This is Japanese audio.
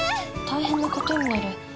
大変なことになる。